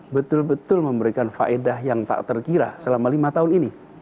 betul betul memberikan faedah yang tak terkira selama lima tahun ini